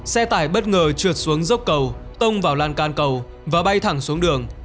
xe tải bất ngờ trượt xuống dốc cầu tông vào lan can cầu và bay thẳng xuống đường